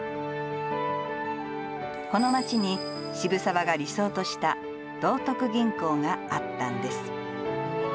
この街に、渋沢が理想とした道徳銀行があったんです。